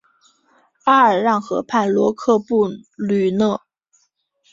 阿尔让河畔罗科布吕讷。